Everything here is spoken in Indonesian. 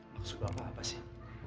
maksud bapak apa sih